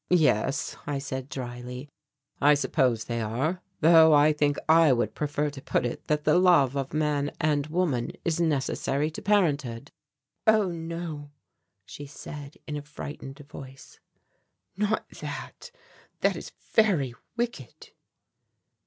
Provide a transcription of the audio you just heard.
"Yes," I said dryly, "I suppose they are, though I think I would prefer to put it that the love of man and woman is necessary to parenthood." "Oh, no," she said in a frightened voice, "not that, that is very wicked."